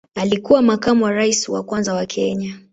Alikuwa makamu wa rais wa kwanza wa Kenya.